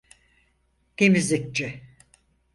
Temizlikçi…